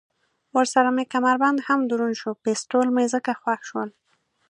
ورسره مې کمربند هم دروند شو، پېسټول مې ځکه خوښ شول.